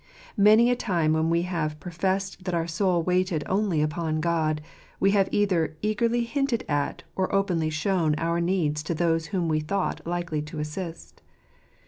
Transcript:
Many a time when we have pro , fessed that our soul waited only upon God, we have either eagerly hinted at or openly shown our needs to those whom we thought likely to assist.